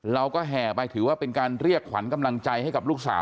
แห่ไปถือว่าเป็นการเรียกขวัญกำลังใจให้กับลูกสาว